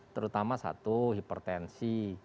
terutama satu hipertensi